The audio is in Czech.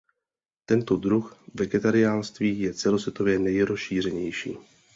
Tento druh vegetariánství je celosvětově nejrozšířenější.